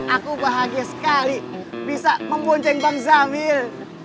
aku bahagia sekali bisa membonceng bang zamir